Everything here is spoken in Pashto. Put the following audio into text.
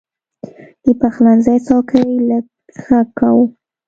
د پخلنځي څوکۍ لږ غږ کاوه.